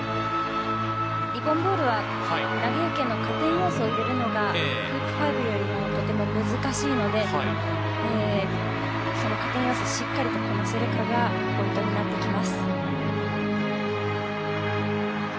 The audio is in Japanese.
リボン・ボールは投げ受けの加点要素を入れるのがフープ５よりもとても難しいので加点要素をしっかりこなせるかがポイントになっていきます。